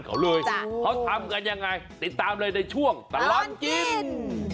เขาเลยเขาทำกันยังไงติดตามเลยในช่วงตลอดกิน